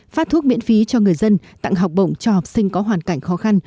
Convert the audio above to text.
phát thuốc miễn phí cho người dân tặng học bổng cho học sinh có hoàn cảnh khó khăn